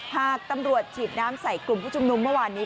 หากตำรวจฉีดน้ำใส่กลุ่มผู้ชุมนุมเมื่อวานนี้